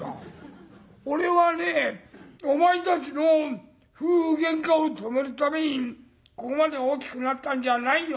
俺はねお前たちの夫婦喧嘩を止めるためにここまで大きくなったんじゃないよ。